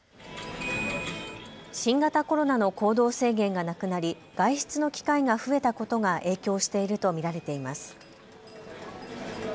新型コロナの行動制限がなくなり外出の機会が増えたことが影響していると見られています。